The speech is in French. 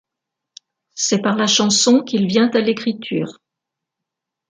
C'est par la chanson qu’il vient à l’écriture.